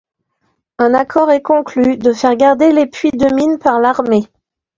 Un accord est conclu de faire garder les puits de mine par l’armée.